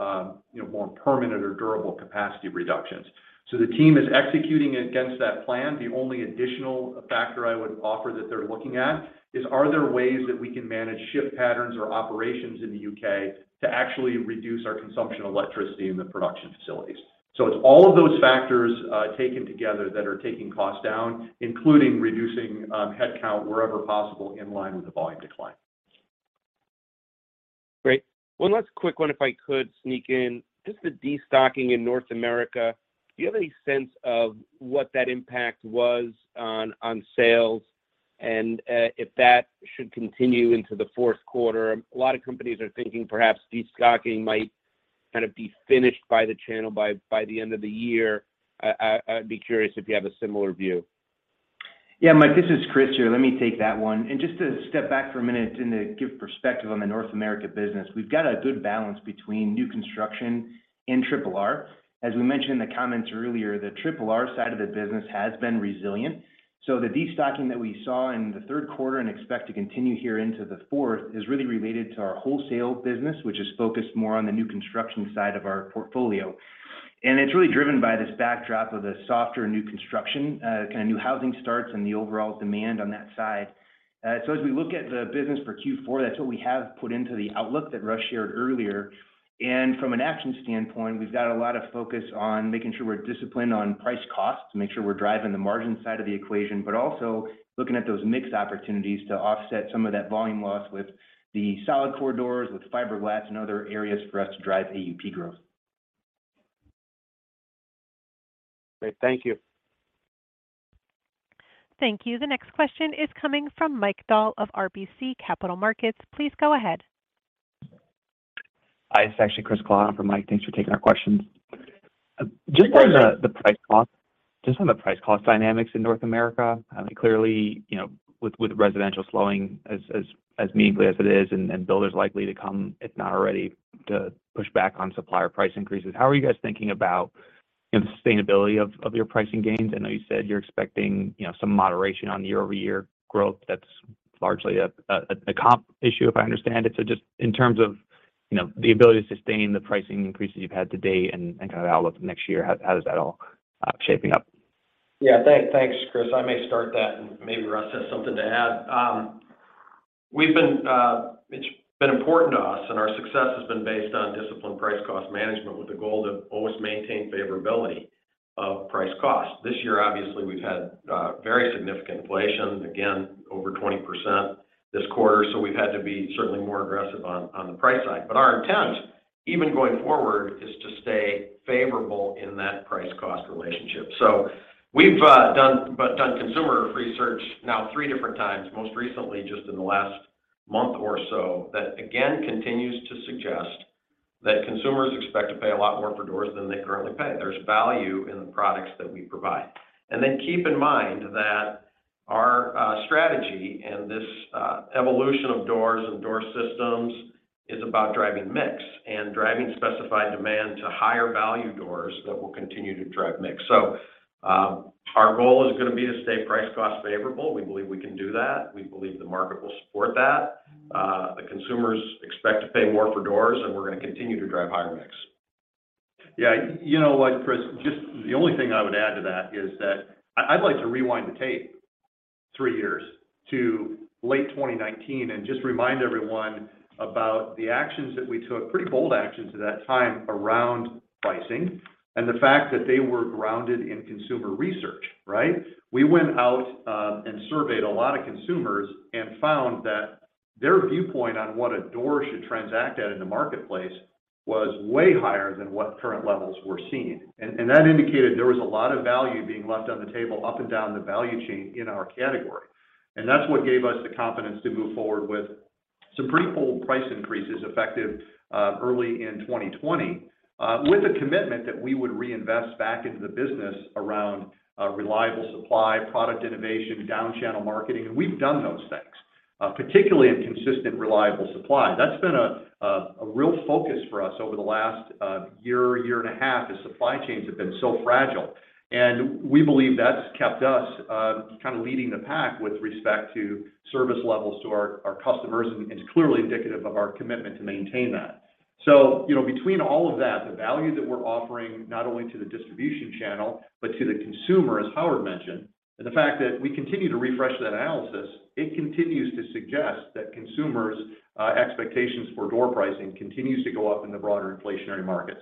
more permanent or durable capacity reductions. The team is executing against that plan. The only additional factor I would offer that they're looking at is are there ways that we can manage shift patterns or operations in the U.K. to actually reduce our consumption of electricity in the production facilities? It's all of those factors taken together that are taking cost down, including reducing headcount wherever possible in line with the volume decline. Great. One last quick one if I could sneak in. Just the de-stocking in North America, do you have a sense of what that impact was on sales and if that should continue into the fourth quarter? A lot of companies are thinking perhaps de-stocking might be finished by the channel by the end of the year. I'd be curious if you have a similar view. Mike, this is Chris here. Let me take that one. Just to step back for a minute and to give perspective on the North America business, we've got a good balance between new construction and Triple R. As we mentioned in the comments earlier, the Triple R side of the business has been resilient, so the de-stocking that we saw in the third quarter and expect to continue here into the fourth is really related to our wholesale business, which is focused more on the new construction side of our portfolio. It's really driven by this backdrop of the softer new construction, new housing starts and the overall demand on that side. As we look at the business for Q4, that's what we have put into the outlook that Russ shared earlier. From an action standpoint, we've got a lot of focus on making sure we're disciplined on price cost to make sure we're driving the margin side of the equation, but also looking at those mix opportunities to offset some of that volume loss with the solid core doors, with fiberglass and other areas for us to drive AUP growth. Great. Thank you. Thank you. The next question is coming from Mike Dahl of RBC Capital Markets. Please go ahead. It's actually Chris Klaus from Mike Dahl. Thanks for taking our questions. Sure. Just on the price-cost dynamics in North American Residential. Clearly, with residential slowing as meaningfully as it is and builders likely to come, if not already, to push back on supplier price increases, how are you guys thinking about the sustainability of your pricing gains? I know you said you're expecting some moderation on year-over-year growth that's largely a comp issue, if I understand it. Just in terms of the ability to sustain the pricing increases you've had to date and kind of outlook for next year, how is that all shaping up? Yeah. Thanks, Chris. I may start that, maybe Russ Tiejema has something to add. It's been important to us and our success has been based on disciplined price cost management with the goal to always maintain favorability of price cost. This year, obviously, we've had very significant inflation, again, over 20% this quarter, we've had to be certainly more aggressive on the price side. Our intent, even going forward, is to stay favorable in that price cost relationship. We've done consumer research now three different times, most recently just in the last month or so, that, again, continues to suggest that consumers expect to pay a lot more for doors than they currently pay. There's value in the products that we provide. Keep in mind that our strategy and this evolution of doors and door systems is about driving mix and driving specified demand to higher value doors that will continue to drive mix. Our goal is going to be to stay price cost favorable. We believe we can do that. We believe the market will support that. The consumers expect to pay more for doors, we're going to continue to drive higher mix. Yeah. You know what, Chris, the only thing I would add to that is that I'd like to rewind the tape three years to late 2019 and just remind everyone about the actions that we took, pretty bold actions at that time, around pricing, and the fact that they were grounded in consumer research. Right? That indicated there was a lot of value being left on the table up and down the value chain in our category. That's what gave us the confidence to move forward with some pretty bold price increases effective early in 2020, with a commitment that we would reinvest back into the business around reliable supply, product innovation, down channel marketing. We've done those things. Particularly in consistent, reliable supply. That's been a real focus for us over the last year and a half, as supply chains have been so fragile. We believe that's kept us leading the pack with respect to service levels to our customers, and it's clearly indicative of our commitment to maintain that. Between all of that, the value that we're offering, not only to the distribution channel but to the consumer, as Howard Heckes mentioned, and the fact that we continue to refresh that analysis, it continues to suggest that consumers' expectations for door pricing continues to go up in the broader inflationary market.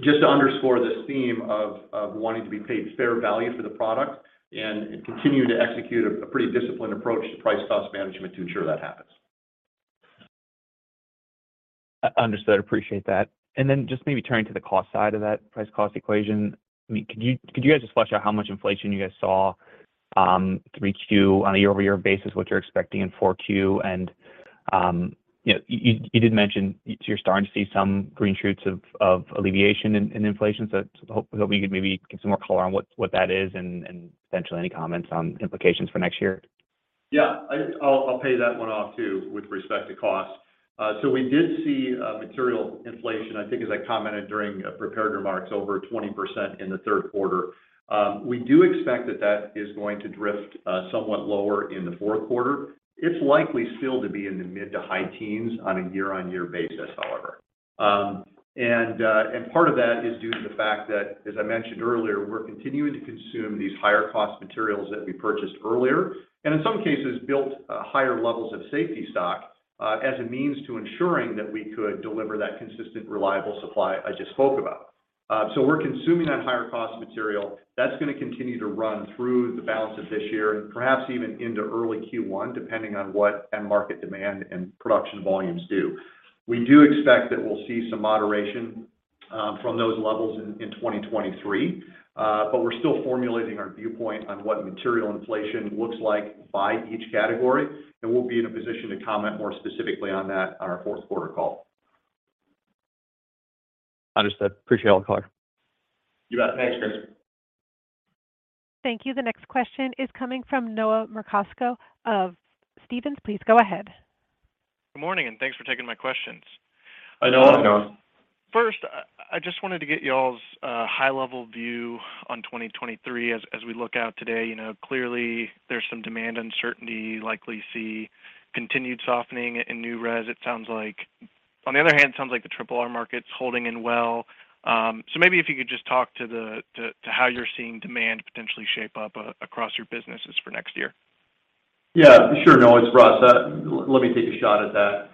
Just to underscore this theme of wanting to be paid fair value for the product and continue to execute a pretty disciplined approach to price cost management to ensure that happens. Understood. Appreciate that. Then just maybe turning to the cost side of that price cost equation. Could you guys just flesh out how much inflation you guys saw 3Q on a year-over-year basis, what you're expecting in 4Q? You did mention you're starting to see some green shoots of alleviation in inflation, hoping that we could maybe get some more color on what that is and potentially any comments on implications for next year. Yeah. I'll pay that one off, too, with respect to cost. We did see material inflation, I think as I commented during prepared remarks, over 20% in the third quarter. We do expect that that is going to drift somewhat lower in the fourth quarter. It's likely still to be in the mid to high teens on a year-on-year basis, however. Part of that is due to the fact that, as I mentioned earlier, we're continuing to consume these higher cost materials that we purchased earlier, and in some cases, built higher levels of safety stock as a means to ensuring that we could deliver that consistent, reliable supply I just spoke about. We're consuming that higher cost material. That's going to continue to run through the balance of this year and perhaps even into early Q1, depending on what end market demand and production volumes do. We do expect that we'll see some moderation from those levels in 2023. We're still formulating our viewpoint on what material inflation looks like by each category, and we'll be in a position to comment more specifically on that on our fourth quarter call. Understood. Appreciate all the color. You bet. Thanks, Chris. Thank you. The next question is coming from Noah Merkousko of Stephens. Please go ahead. Good morning, thanks for taking my questions. Hi, Noah. Hi, Noah. First, I just wanted to get y'all's high level view on 2023 as we look out today. Clearly there's some demand uncertainty, likely see continued softening in new res, it sounds like. On the other hand, sounds like the Triple R market's holding in well. Maybe if you could just talk to how you're seeing demand potentially shape up across your businesses for next year. Sure, Noah. It's Russ. Let me take a shot at that.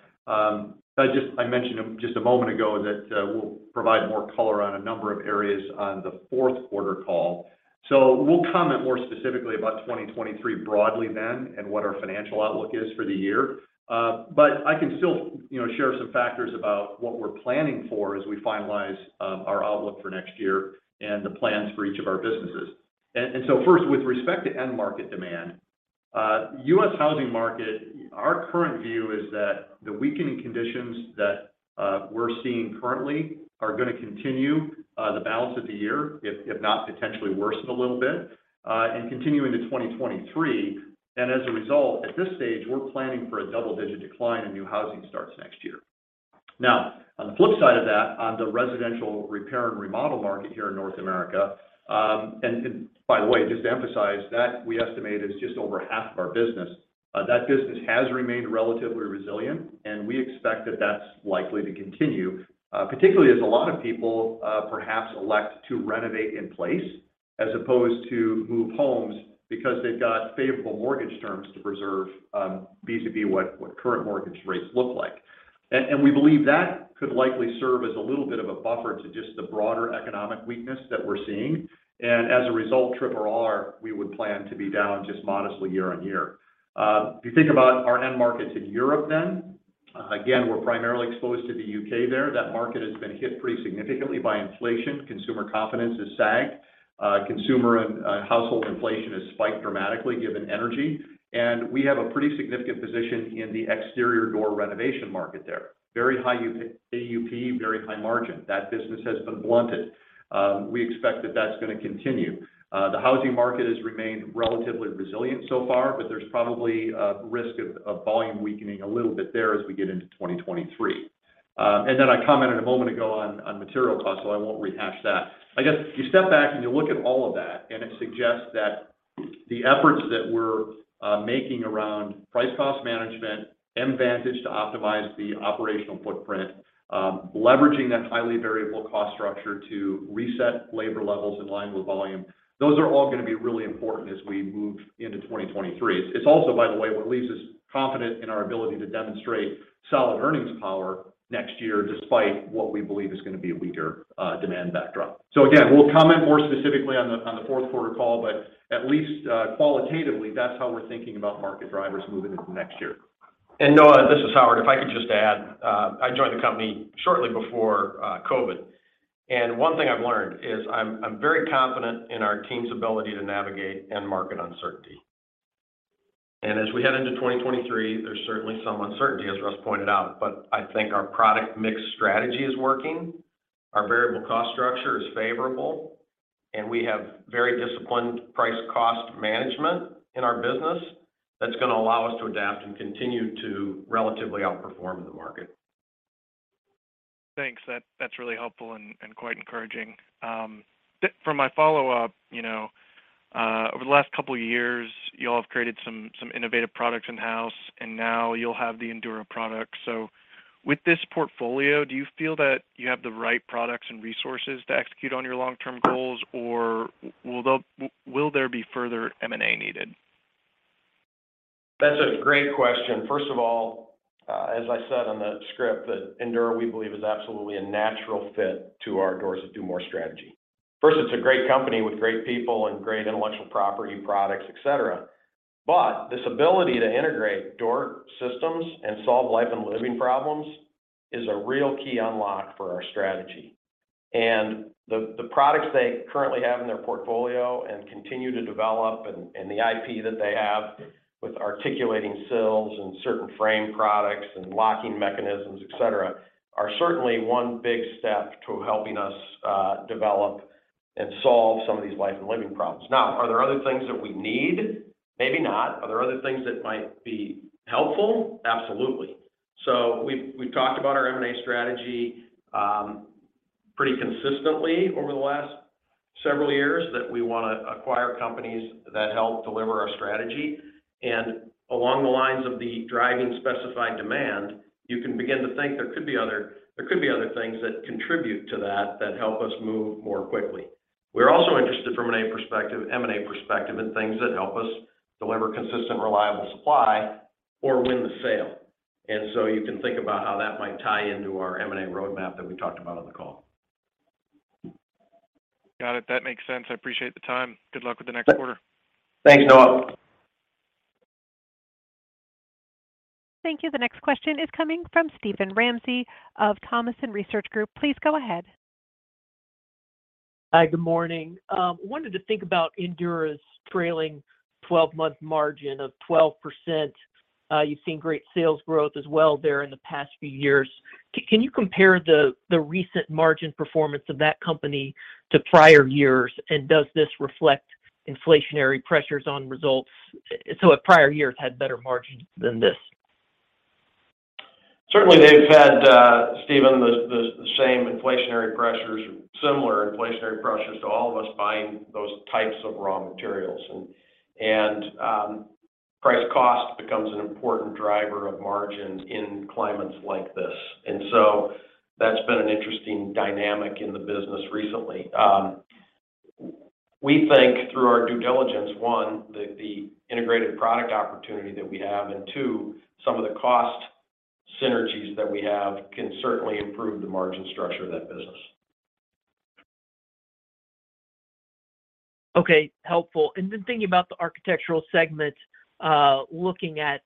I mentioned just a moment ago that we'll provide more color on a number of areas on the fourth quarter call. We'll comment more specifically about 2023 broadly then and what our financial outlook is for the year. I can still share some factors about what we're planning for as we finalize our outlook for next year and the plans for each of our businesses. First, with respect to end market demand U.S. housing market, our current view is that the weakening conditions that we're seeing currently are going to continue the balance of the year, if not potentially worsen a little bit, and continue into 2023. As a result, at this stage, we're planning for a double-digit decline in new housing starts next year. On the flip side of that, on the residential repair and remodel market here in North America, by the way, just to emphasize, that we estimated is just over half of our business. That business has remained relatively resilient, and we expect that that's likely to continue. Particularly as a lot of people perhaps elect to renovate in place as opposed to move homes because they've got favorable mortgage terms to preserve vis-a-vis what current mortgage rates look like. We believe that could likely serve as a little bit of a buffer to just the broader economic weakness that we're seeing. As a result, Triple R, we would plan to be down just modestly year-on-year. If you think about our end markets in Europe then, again, we're primarily exposed to the U.K. there. That market has been hit pretty significantly by inflation. Consumer confidence has sagged. Consumer and household inflation has spiked dramatically given energy. We have a pretty significant position in the exterior door renovation market there. Very high AUP, very high margin. That business has been blunted. We expect that that's going to continue. The housing market has remained relatively resilient so far, but there's probably a risk of volume weakening a little bit there as we get into 2023. Then I commented a moment ago on material costs, I won't rehash that. If you step back and you look at all of that, it suggests that the efforts that we're making around price cost management, M-Vantage to optimize the operational footprint, leveraging that highly variable cost structure to reset labor levels in line with volume. Those are all going to be really important as we move into 2023. It's also, by the way, what leaves us confident in our ability to demonstrate solid earnings power next year, despite what we believe is going to be a weaker demand backdrop. Again, we'll comment more specifically on the fourth quarter call, at least qualitatively, that's how we're thinking about market drivers moving into next year. Noah, this is Howard. If I could just add, I joined the company shortly before COVID, one thing I've learned is I'm very confident in our team's ability to navigate end market uncertainty. As we head into 2023, there's certainly some uncertainty, as Russ pointed out, I think our product mix strategy is working. Our variable cost structure is favorable, and we have very disciplined price cost management in our business that's going to allow us to adapt and continue to relatively outperform the market. Thanks. That's really helpful and quite encouraging. For my follow-up, over the last couple of years, you all have created some innovative products in-house, and now you'll have the Endura product. With this portfolio, do you feel that you have the right products and resources to execute on your long-term goals, or will there be further M&A needed? That's a great question. First of all, as I said on the script, Endura, we believe is absolutely a natural fit to our Doors That Do More strategy. First, it's a great company with great people and great intellectual property products, et cetera. This ability to integrate door systems and solve life and living problems is a real key unlock for our strategy. The products they currently have in their portfolio and continue to develop, and the IP that they have with articulating sills and certain frame products and locking mechanisms, et cetera, are certainly one big step to helping us develop and solve some of these life and living problems. Now, are there other things that we need? Maybe not. Are there other things that might be helpful? Absolutely. We've talked about our M&A strategy pretty consistently over the last several years, that we want to acquire companies that help deliver our strategy. Along the lines of the driving specified demand, you can begin to think there could be other things that contribute to that help us move more quickly. We're also interested from an M&A perspective in things that help us deliver consistent, reliable supply or win the sale. You can think about how that might tie into our M&A roadmap that we talked about on the call. Got it. That makes sense. I appreciate the time. Good luck with the next quarter. Thanks, Noah. Thank you. The next question is coming from Steven Ramsey of Thompson Research Group. Please go ahead. Hi, good morning. Wanted to think about Endura's trailing 12-month margin of 12%. You've seen great sales growth as well there in the past few years. Can you compare the recent margin performance of that company to prior years? Does this reflect inflationary pressures on results? If prior years had better margins than this. Certainly, Steven, the same inflationary pressures, similar inflationary pressures to all of us buying those types of raw materials. Price cost becomes an important driver of margins in climates like this. That's been an interesting dynamic in the business recently. We think, through our due diligence, one, the integrated product opportunity that we have, and two, some of the cost synergies that we have can certainly improve the margin structure of that business. Okay. Helpful. Thinking about the architectural segment. Looking at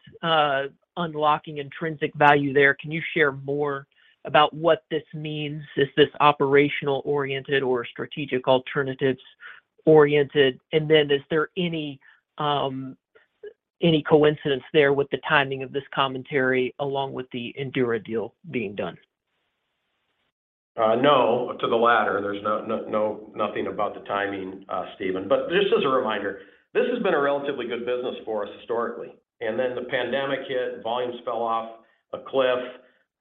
unlocking intrinsic value there, can you share more about what this means? Is this operational-oriented or strategic alternatives-oriented? Is there any coincidence there with the timing of this commentary along with the Endura deal being done? No to the latter. There's nothing about the timing, Steven. Just as a reminder, this has been a relatively good business for us historically. The pandemic hit, volumes fell off a cliff,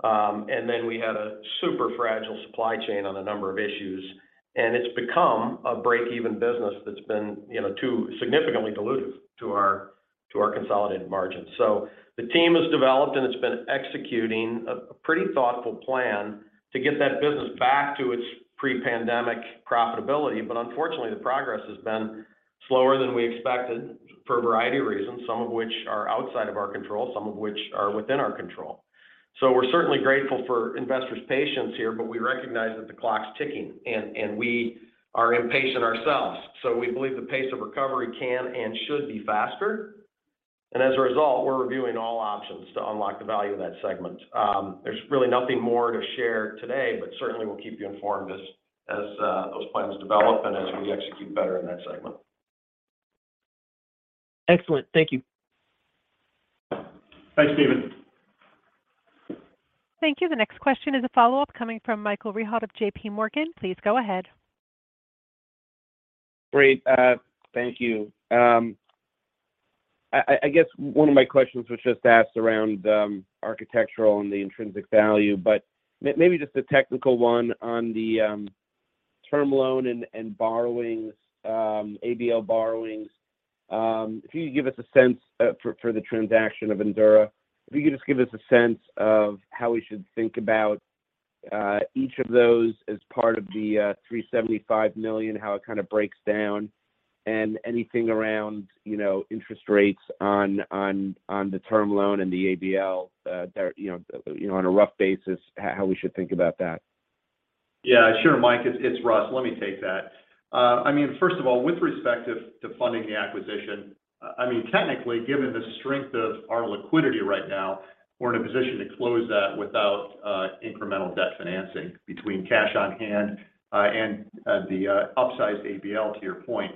and then we had a super fragile supply chain on a number of issues. It's become a break-even business that's been too significantly dilutive to our consolidated margins. The team has developed, and it's been executing a pretty thoughtful plan to get that business back to its pre-pandemic profitability. Unfortunately, the progress has been slower than we expected for a variety of reasons, some of which are outside of our control, some of which are within our control. We're certainly grateful for investors' patience here, but we recognize that the clock's ticking, and we are impatient ourselves. We believe the pace of recovery can and should be faster. As a result, we're reviewing all options to unlock the value of that segment. There's really nothing more to share today, but certainly we'll keep you informed as those plans develop and as we execute better in that segment. Excellent. Thank you. Thanks, Steven. Thank you. The next question is a follow-up coming from Michael Rehaut of J.P. Morgan. Please go ahead. Great. Thank you. I guess one of my questions was just asked around architectural and the intrinsic value, but maybe just a technical one on the term loan and borrowings, ABL borrowings. If you could give us a sense for the transaction of Endura, if you could just give us a sense of how we should think about each of those as part of the $375 million, how it kind of breaks down, and anything around interest rates on the term loan and the ABL, on a rough basis, how we should think about that. Yeah. Sure, Mike. It's Russ. Let me take that. First of all, with respect to funding the acquisition, technically, given the strength of our liquidity right now, we're in a position to close that without incremental debt financing between cash on hand and the upsized ABL, to your point.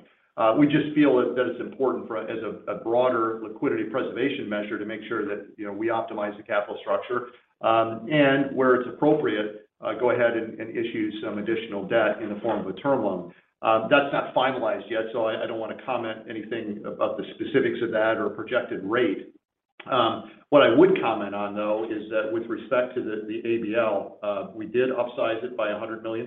We just feel that it's important as a broader liquidity preservation measure to make sure that we optimize the capital structure. Where it's appropriate, go ahead and issue some additional debt in the form of a term loan. That's not finalized yet, so I don't want to comment anything about the specifics of that or projected rate. What I would comment on, though, is that with respect to the ABL, we did upsize it by $100 million.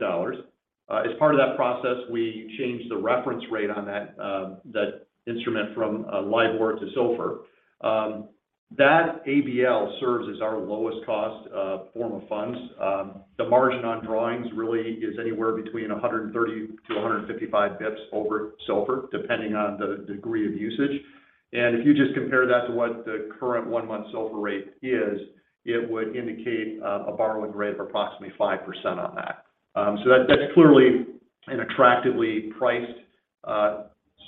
As part of that process, we changed the reference rate on that instrument from LIBOR to SOFR. That ABL serves as our lowest cost form of funds. The margin on drawings really is anywhere between 130 to 155 basis points over SOFR, depending on the degree of usage. If you just compare that to what the current one-month SOFR rate is, it would indicate a borrowing rate of approximately 5% on that. That's clearly an attractively priced,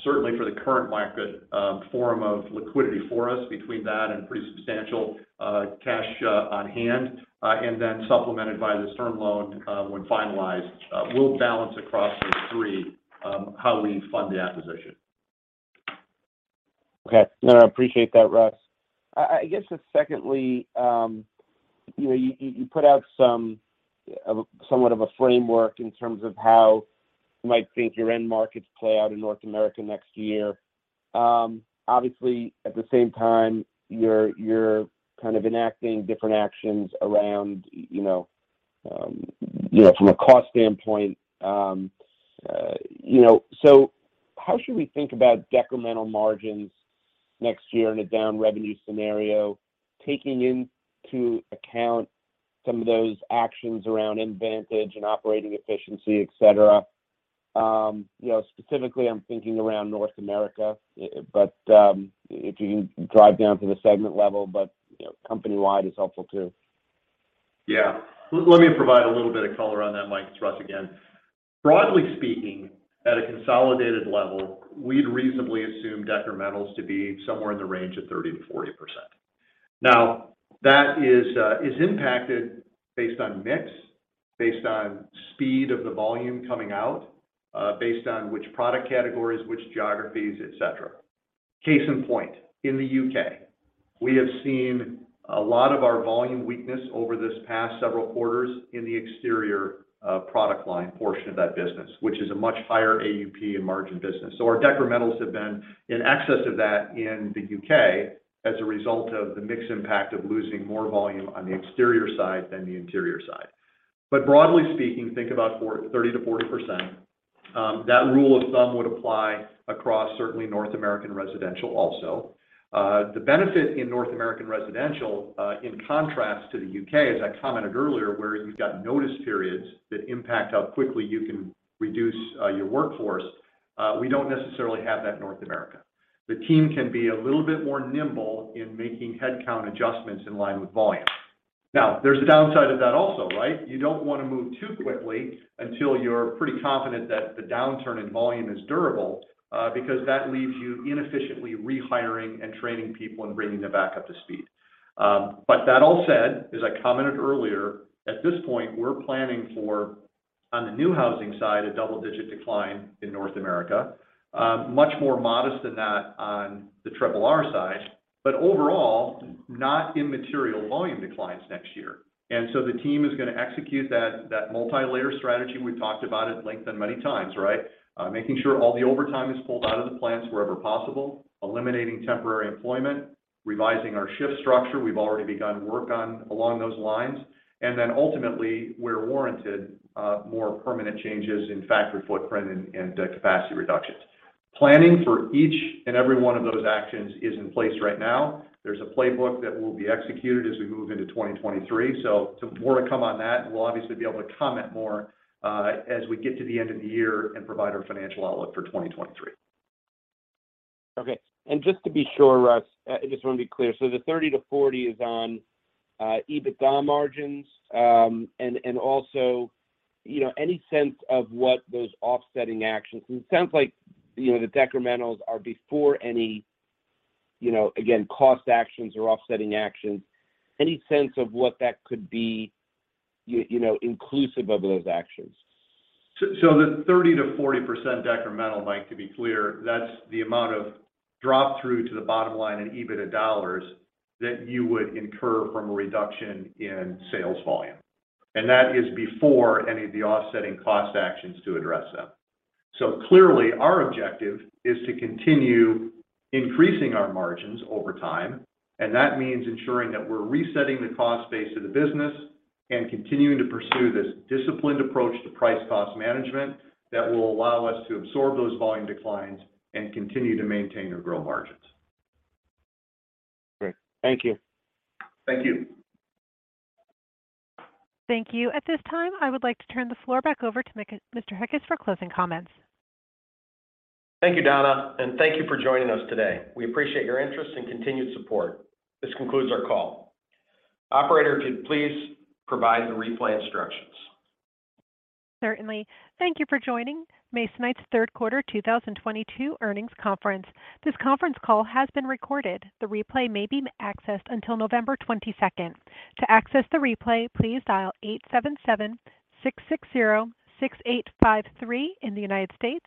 certainly for the current market, form of liquidity for us between that and pretty substantial cash on hand, and then supplemented by this term loan when finalized. We'll balance across those three how we fund the acquisition. Okay. No, I appreciate that, Russ. I guess just secondly, you put out somewhat of a framework in terms of how you might think your end markets play out in North America next year. Obviously, at the same time, you're enacting different actions around from a cost standpoint. How should we think about decremental margins next year in a down revenue scenario, taking into account some of those actions around M-Vantage and operating efficiency, et cetera? Specifically, I'm thinking around North America. If you drive down to the segment level, but company-wide is helpful too. Yeah. Let me provide a little bit of color on that, Mike. It's Russ again. Broadly speaking, at a consolidated level, we'd reasonably assume decrementals to be somewhere in the range of 30%-40%. That is impacted based on mix, based on speed of the volume coming out, based on which product categories, which geographies, et cetera. Case in point, in the U.K., we have seen a lot of our volume weakness over this past several quarters in the exterior product line portion of that business, which is a much higher AUP and margin business. Our decrementals have been in excess of that in the U.K. as a result of the mix impact of losing more volume on the exterior side than the interior side. Broadly speaking, think about 30%-40%. That rule of thumb would apply across certainly North American Residential also. The benefit in North American Residential, in contrast to the U.K., as I commented earlier, where you've got notice periods that impact how quickly you can reduce your workforce, we don't necessarily have that in North America. The team can be a little bit more nimble in making headcount adjustments in line with volume. Now, there's a downside to that also, right? You don't want to move too quickly until you're pretty confident that the downturn in volume is durable, because that leaves you inefficiently rehiring and training people and bringing them back up to speed. That all said, as I commented earlier, at this point, we're planning for, on the new housing side, a double-digit decline in North America. Much more modest than that on the Triple R side. Overall, not immaterial volume declines next year. The team is going to execute that multi-layer strategy we've talked about at length and many times, right? Making sure all the overtime is pulled out of the plants wherever possible, eliminating temporary employment, revising our shift structure. We've already begun work along those lines. Ultimately, where warranted, more permanent changes in factory footprint and capacity reductions. Planning for each and every one of those actions is in place right now. There's a playbook that will be executed as we move into 2023. More to come on that, and we'll obviously be able to comment more as we get to the end of the year and provide our financial outlook for 2023. Okay. Just to be sure, Russ, I just want to be clear. The 30% to 40% is on EBITDA margins. Also, any sense of what those offsetting actions? It sounds like the decrementals are before any, again, cost actions or offsetting actions. Any sense of what that could be inclusive of those actions? The 30% to 40% decremental, Mike, to be clear, that's the amount of drop-through to the bottom line in EBITDA dollars that you would incur from a reduction in sales volume. That is before any of the offsetting cost actions to address them. Clearly, our objective is to continue increasing our margins over time, that means ensuring that we're resetting the cost base of the business and continuing to pursue this disciplined approach to price-cost management that will allow us to absorb those volume declines and continue to maintain or grow margins. Great. Thank you. Thank you. Thank you. At this time, I would like to turn the floor back over to Mr. Heckes for closing comments. Thank you, Donna. Thank you for joining us today. We appreciate your interest and continued support. This concludes our call. Operator, could you please provide the replay instructions? Certainly. Thank you for joining Masonite's Third Quarter 2022 Earnings Conference. This conference call has been recorded. The replay may be accessed until November 22nd. To access the replay, please dial 877-660-6853 in the United States